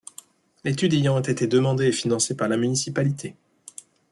L'étude ayant été demandée et financée par la municipalité.